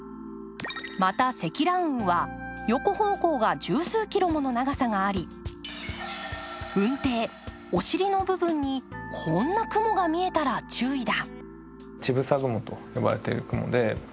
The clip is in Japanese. また積乱雲は横方向が十数キロもの長さがあり雲底、おしりの部分にこんな雲が見えたら注意だ。